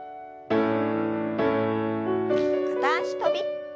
片脚跳び。